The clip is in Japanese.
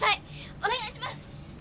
お願いします！